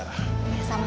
terima kasih andara